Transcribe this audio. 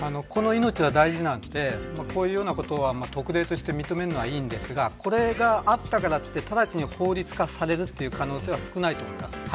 この命は大事なのでこういうようなことは特例として認めるのはいいんですがこれがあったからといって直ちに法律化される可能性は少ないと思います。